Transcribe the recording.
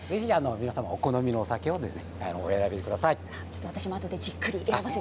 お好みのお酒をお選びください。